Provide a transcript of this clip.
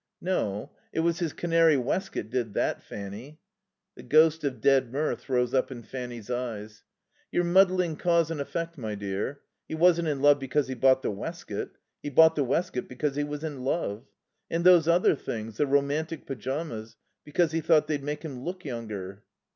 "No. It was his canary waistcoat did that, Fanny." The ghost of dead mirth rose up in Fanny's eyes. "You're muddling cause and effect, my dear. He wasn't in love because he bought the waistcoat. He bought the waistcoat because he was in love. And those other things the romantic pyjamas because he thought they'd make him look younger."